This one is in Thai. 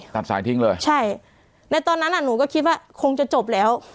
ตัดสายทิ้งเลยใช่ในตอนนั้นอ่ะหนูก็คิดว่าคงจะจบแล้ว